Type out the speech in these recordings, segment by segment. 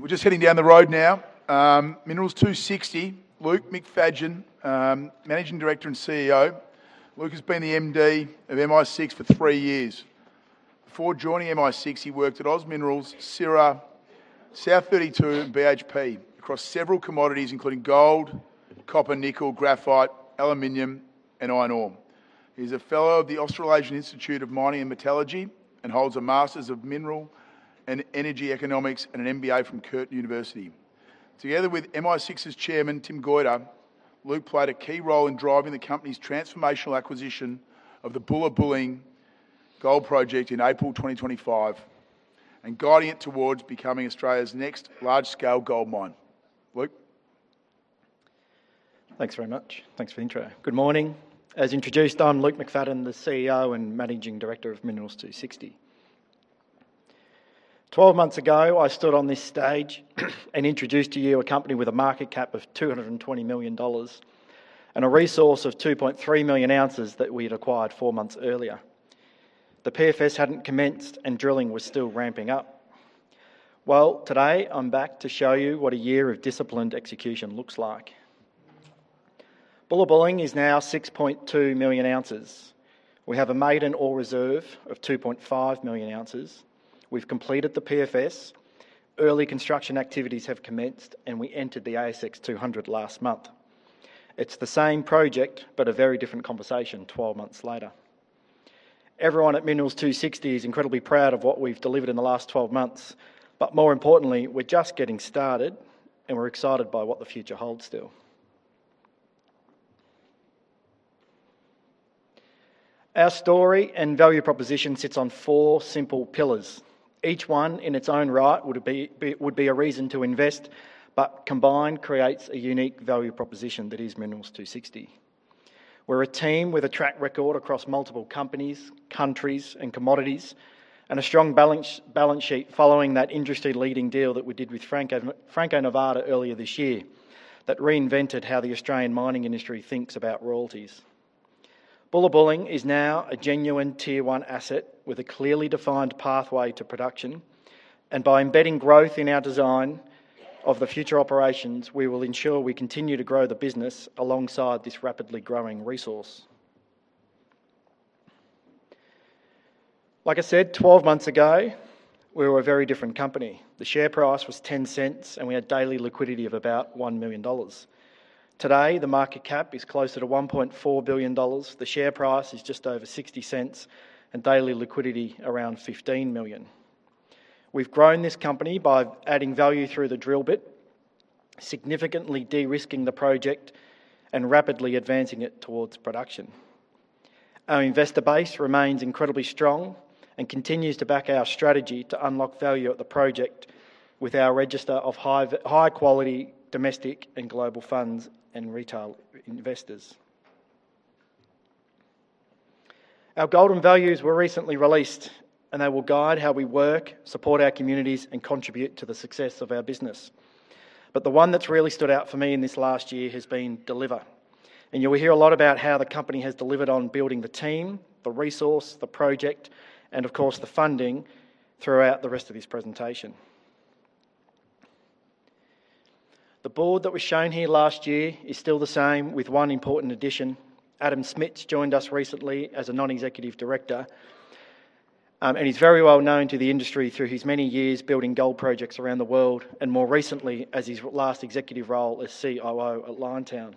We're just heading down the road now. Minerals 260, Luke McFadyen, Managing Director and Chief Executive Officer. Luke has been the Managing Director of Minerals 260 for three years. Before joining Minerals 260, he worked at OZ Minerals, Syrah Resources, South32, and BHP across several commodities, including gold, copper, nickel, graphite, aluminum, and iron ore. He's a fellow of the Australasian Institute of Mining and Metallurgy, and holds a Master's of Mineral and Energy Economics, and an MBA from Curtin University. Together with Minerals 260's Chairman, Tim Goyder, Luke played a key role in driving the company's transformational acquisition of the Bullabulling Gold Project in April 2025, and guiding it towards becoming Australia's next large-scale gold mine. Luke? Thanks very much. Thanks for the intro. Good morning. As introduced, I'm Luke McFadyen, the Chief Executive Officer and Managing Director of Minerals 260. 12 months ago, I stood on this stage and introduced to you a company with a market cap of 220 million dollars and a resource of 2.3 million ounces that we'd acquired four months earlier. The PFS hadn't commenced and drilling was still ramping up. Today I'm back to show you what a year of disciplined execution looks like. Bullabulling is now 6.2 million ounces. We have a maiden Ore Reserve of 2.5 million ounces. We've completed the PFS. Early construction activities have commenced, we entered the S&P/ASX 200 last month. It's the same project, a very different conversation 12 months later. Everyone at Minerals 260 is incredibly proud of what we've delivered in the last 12 months, more importantly, we're just getting started, we're excited by what the future holds still. Our story and value proposition sits on four simple pillars. Each one in its own right would be a reason to invest, combined creates a unique value proposition that is Minerals 260. We're a team with a track record across multiple companies, countries, and commodities, a strong balance sheet following that industry-leading deal that we did with Franco-Nevada earlier this year that reinvented how the Australian mining industry thinks about royalties. Bullabulling is now a genuine Tier 1 asset with a clearly defined pathway to production, by embedding growth in our design of the future operations, we will ensure we continue to grow the business alongside this rapidly growing resource. Like I said, 12 months ago, we were a very different company. The share price was 0.10, we had daily liquidity of about 1 million dollars. Today, the market cap is closer to 1.4 billion dollars. The share price is just over 0.60, daily liquidity around 15 million. We've grown this company by adding value through the drill bit, significantly de-risking the project, rapidly advancing it towards production. Our investor base remains incredibly strong continues to back our strategy to unlock value at the project with our register of high-quality domestic and global funds and retail investors. Our golden values were recently released, they will guide how we work, support our communities, contribute to the success of our business. The one that's really stood out for me in this last year has been deliver. You will hear a lot about how the company has delivered on building the team, the resource, the project, and of course, the funding throughout the rest of this presentation. The board that was shown here last year is still the same, with one important addition. Adam Smits joined us recently as a Non-Executive Director. He's very well known to the industry through his many years building gold projects around the world, and more recently, as his last executive role as Chief Operating Officer at Liontown.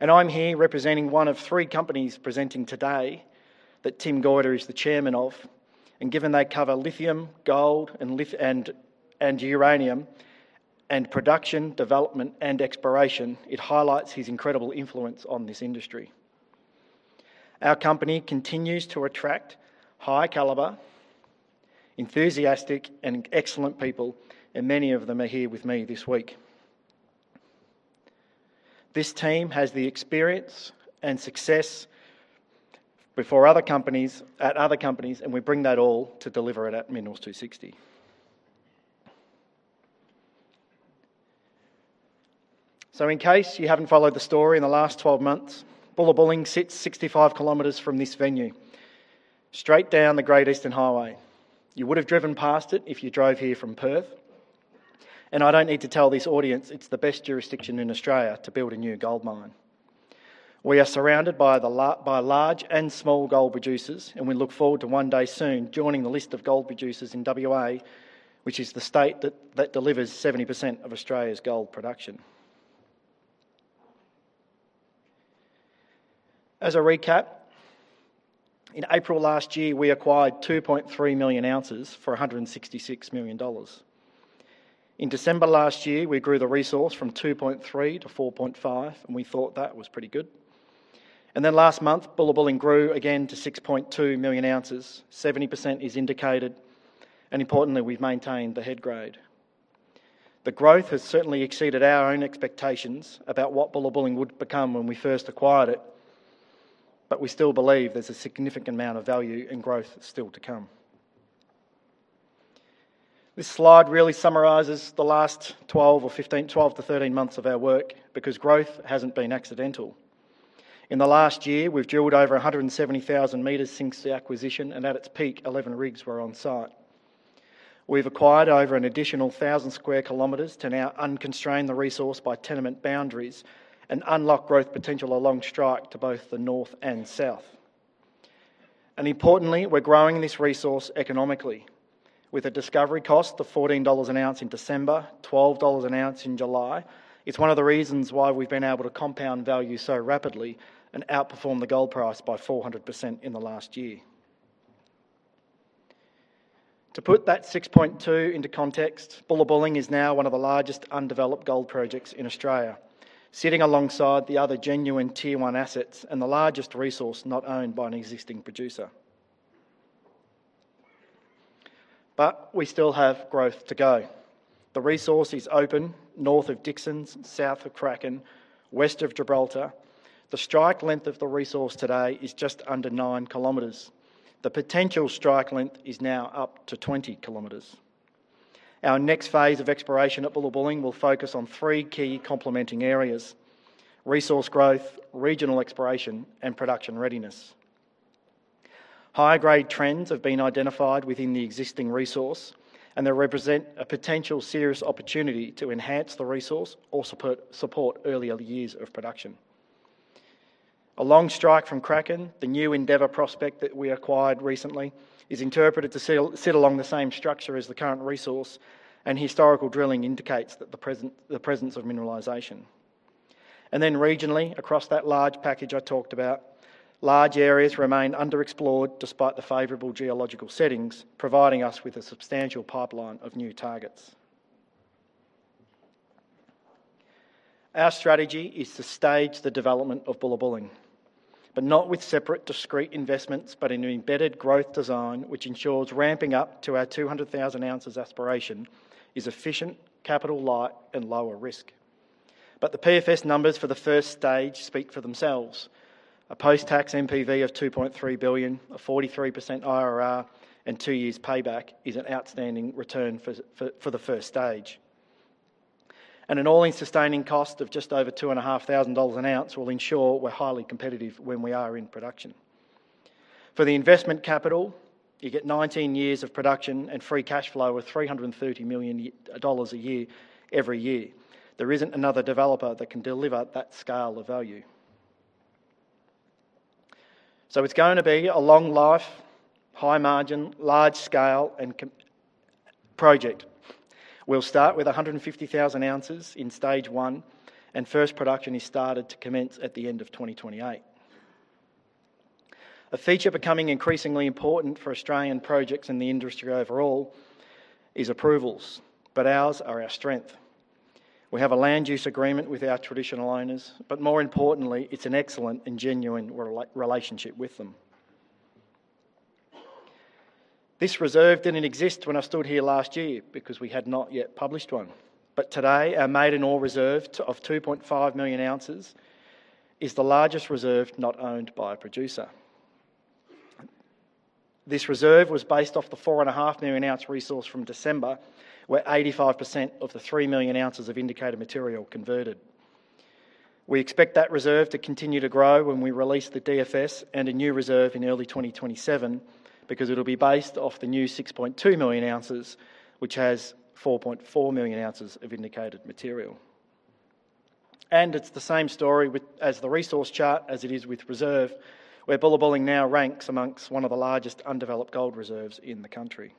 I'm here representing one of three companies presenting today that Tim Goyder is the Chairman of, and given they cover lithium, gold, and uranium, and production, development, and exploration, it highlights his incredible influence on this industry. Our company continues to attract high-caliber, enthusiastic, and excellent people, and many of them are here with me this week. This team has the experience and success before at other companies, and we bring that all to deliver it at Minerals 260. In case you haven't followed the story in the last 12 months, Bullabulling sits 65 km from this venue, straight down the Great Eastern Highway. You would have driven past it if you drove here from Perth. I don't need to tell this audience, it's the best jurisdiction in Australia to build a new gold mine. We are surrounded by large and small gold producers, and we look forward to one day soon joining the list of gold producers in WA, which is the state that delivers 70% of Australia's gold production. As a recap, in April last year, we acquired 2.3 million ounces for 166 million dollars. In December last year, we grew the resource from 2.3 million ounces -4.5 million ounces, and we thought that was pretty good. Last month, Bullabulling grew again to 6.2 million ounces. 70% is Indicated, and importantly, we've maintained the head grade. The growth has certainly exceeded our own expectations about what Bullabulling would become when we first acquired it. We still believe there's a significant amount of value and growth still to come. This slide really summarizes the last 12 months-13 months of our work because growth hasn't been accidental. In the last year, we've drilled over 170,000 meters since the acquisition, and at its peak, 11 rigs were on site. We've acquired over an additional 1,000 sq km to now unconstrain the resource by tenement boundaries and unlock growth potential along strike to both the north and south. Importantly, we're growing this resource economically with a discovery cost of 14 dollars an ounce in December, 12 dollars an ounce in July. It's one of the reasons why we've been able to compound value so rapidly and outperform the gold price by 400% in the last year. To put that 6.2 into context, Bullabulling is now one of the largest undeveloped gold projects in Australia, sitting alongside the other genuine Tier 1 assets and the largest resource not owned by an existing producer. We still have growth to go. The resource is open north of Dixons, south of Kraken, west of Gibraltar. The strike length of the resource today is just under 9 km. The potential strike length is now up to 20 km. Our next phase of exploration at Bullabulling will focus on three key complementing areas: resource growth, regional exploration, and production readiness. High-grade trends have been identified within the existing resource. They represent a potential serious opportunity to enhance the resource or support earlier years of production. Along strike from Kraken, the new Endeavour prospect that we acquired recently is interpreted to sit along the same structure as the current resource. Historical drilling indicates the presence of mineralization. Regionally, across that large package I talked about, large areas remain underexplored despite the favorable geological settings, providing us with a substantial pipeline of new targets. Our strategy is to stage the development of Bullabulling, but not with separate, discrete investments, but in an embedded growth design, which ensures ramping up to our 200,000 ounces aspiration is efficient, capital light, and lower risk. The PFS numbers for the first stage speak for themselves. A post-tax NPV of 2.3 billion, a 43% IRR, and two years payback is an outstanding return for the first stage. An all-in sustaining cost of just over 2,500 dollars an ounce will ensure we're highly competitive when we are in production. For the investment capital, you get 19 years of production and free cash flow of 330 million dollars a year every year. There isn't another developer that can deliver that scale of value. It's going to be a long life, high margin, large scale project. We'll start with 150,000 ounces in Stage 1. First production is started to commence at the end of 2028. A feature becoming increasingly important for Australian projects and the industry overall is approvals, but ours are our strength. We have a land use agreement with our traditional owners, but more importantly, it's an excellent and genuine relationship with them. This reserve didn't exist when I stood here last year because we had not yet published one. Today, our maiden Ore Reserve of 2.5 million ounces is the largest reserve not owned by a producer. This reserve was based off the 4.5 million ounce resource from December, where 85% of the 3 million ounces of Indicated material converted. We expect that reserve to continue to grow when we release the DFS and a new reserve in early 2027 because it'll be based off the new 6.2 million ounces, which has 4.4 million ounces of Indicated material. It's the same story as the resource chart as it is with reserve, where Bullabulling now ranks amongst one of the largest undeveloped gold reserves in the country.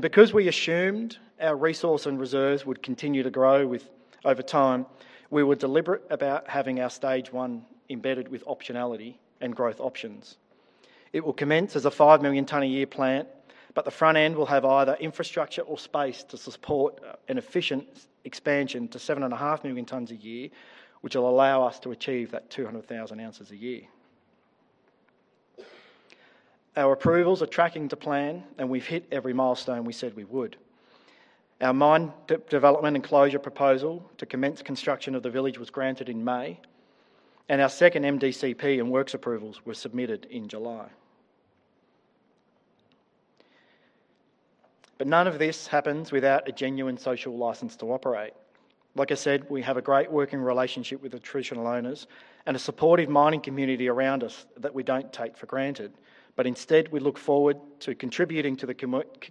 Because we assumed our resource and reserves would continue to grow over time, we were deliberate about having our Stage 1 embedded with optionality and growth options. It will commence as a 5 million ton a year plant, but the front end will have either infrastructure or space to support an efficient expansion to 7.5 million tons a year, which will allow us to achieve that 200,000 ounces a year. Our approvals are tracking to plan. We've hit every milestone we said we would. Our mine development and closure proposal to commence construction of the village was granted in May. Our second MDCP and works approvals were submitted in July. None of this happens without a genuine social license to operate. Like I said, we have a great working relationship with the traditional owners and a supportive mining community around us that we don't take for granted. Instead, we look forward to contributing to the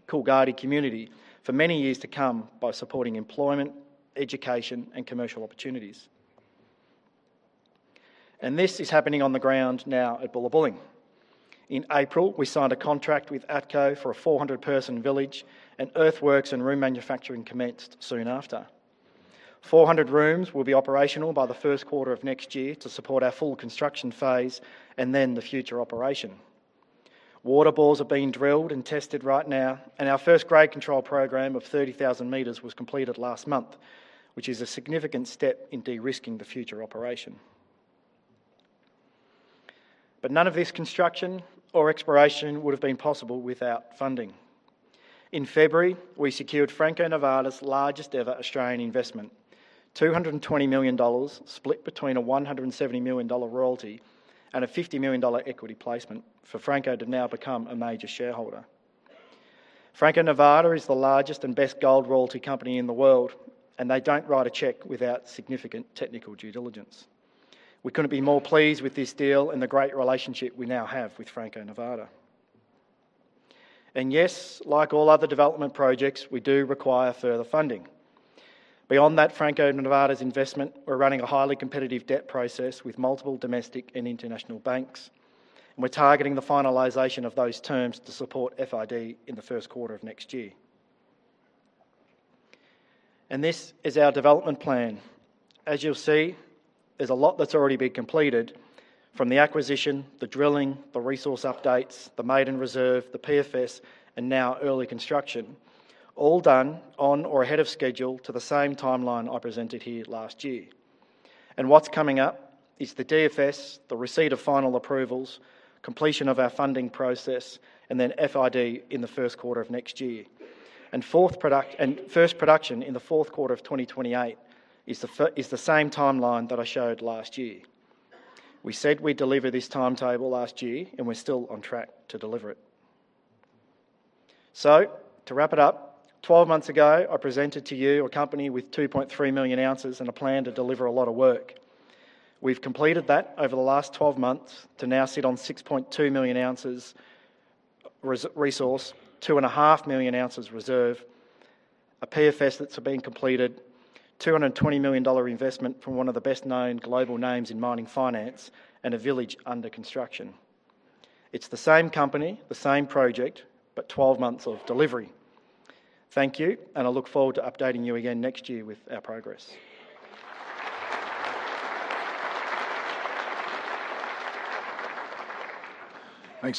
Coolgardie community for many years to come by supporting employment, education, and commercial opportunities. This is happening on the ground now at Bullabulling. In April, we signed a contract with ATCO for a 400-person village. Earthworks and room manufacturing commenced soon after. 400 rooms will be operational by the first quarter of next year to support our full construction phase and then the future operation. Water bores are being drilled and tested right now. Our first grade control program of 30,000 meters was completed last month, which is a significant step in de-risking the future operation. None of this construction or exploration would've been possible without funding. In February, we secured Franco-Nevada's largest-ever Australian investment, 220 million dollars split between an 170 million dollar royalty and an 50 million dollar equity placement for Franco to now become a major shareholder. Franco-Nevada is the largest and best gold royalty company in the world. They don't write a check without significant technical due diligence. We couldn't be more pleased with this deal and the great relationship we now have with Franco-Nevada. Yes, like all other development projects, we do require further funding. Beyond that Franco-Nevada's investment, we're running a highly competitive debt process with multiple domestic and international banks. We're targeting the finalization of those terms to support FID in the first quarter of next year. This is our development plan. As you'll see, there's a lot that's already been completed from the acquisition, the drilling, the resource updates, the maiden reserve, the PFS, now early construction, all done on or ahead of schedule to the same timeline I presented here last year. What's coming up is the DFS, the receipt of final approvals, completion of our funding process, then FID in the first quarter of next year. First production in the fourth quarter of 2028 is the same timeline that I showed last year. We said we'd deliver this timetable last year. We're still on track to deliver it. To wrap it up, 12 months ago, I presented to you a company with 2.3 million ounces and a plan to deliver a lot of work. We've completed that over the last 12 months to now sit on 6.2 million ounces resource, 2.5 million ounces reserve, a PFS that's been completed, 220 million dollar investment from one of the best-known global names in mining finance, and a village under construction. It's the same company, the same project, 12 months of delivery. Thank you. I look forward to updating you again next year with our progress.